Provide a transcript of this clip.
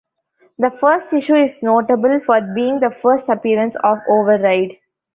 The first issue is notable for being the first appearance of Override.